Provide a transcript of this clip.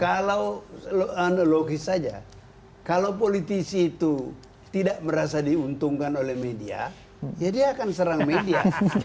kalau analogis saja kalau politisi itu tidak merasa diuntungkan oleh media ya dia akan serang media